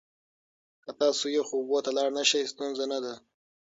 که تاسو یخو اوبو ته لاړ نشئ، ستونزه نه ده.